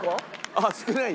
あっ少ない？